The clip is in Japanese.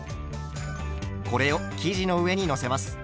これを生地の上にのせます。